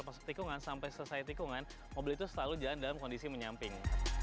masuk tikungan sampai selesai tikungan mobil itu selalu jalan dalam kondisi menyamping